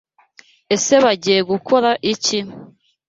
Ese Bagiyegukora iki?